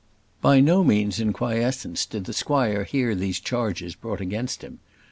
By no means in quiescence did the squire hear these charges brought against him.